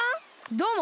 どうも！